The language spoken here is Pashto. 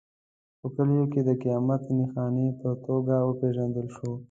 په کلیو کې د قیامت نښانې په توګه وپېژندل شو.